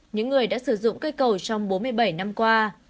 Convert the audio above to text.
những người đã sử dụng cây cầu trong bốn mươi bảy năm qua